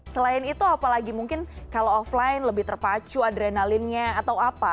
selain itu apalagi mungkin kalau offline lebih terpacu adrenalinnya atau apa